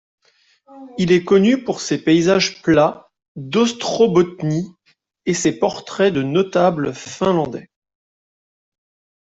Il est connu pour ses paysages plats d'Ostrobotnie et ses portraits de notables finlandais.